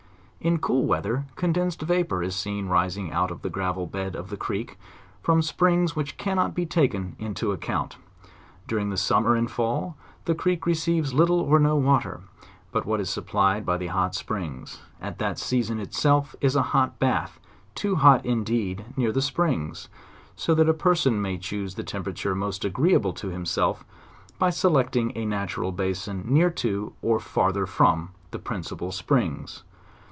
In cool weather condensed vapor is seen rising out of the gravel bed of the creek, from springs which cannot be taken into ac count. During the summer and fall, the creek receives lit tle or no water but what is supplied by the hot springs; at that season itself is a hot bath, too hot, indeed, near the springs; so that a person may choose the temperature most agreeable to himself, by selecting a natural basin near to, or farther from the principal springs.